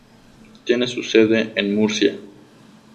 Tiene su sede en Murcia.